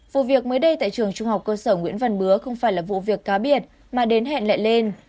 vụ việc mới đây tại trường trung học cơ sở nguyễn văn bứa không phải là vụ việc cá biệt mà đến hẹn lại lên